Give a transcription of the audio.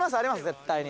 絶対に。